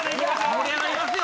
盛り上がりますよ